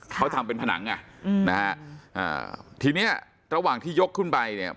เขาทำเป็นผนังอ่ะอืมนะฮะอ่าทีเนี้ยระหว่างที่ยกขึ้นไปเนี่ย